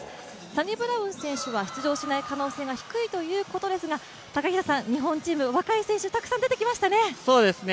サニブラウン選手は出場しない可能性が低いということですが高平さん、日本チーム、若い選手が出てきましたね。